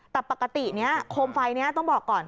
แต่ปกตินี้โคมไฟนี้ต้องบอกก่อน